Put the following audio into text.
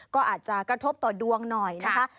ก็อาจจะกระทบต่อดวงหน่อยนะคะ